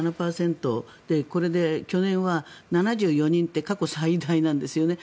０．７％でこれで去年は７４人って過去最大なんですよね。